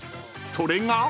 それが］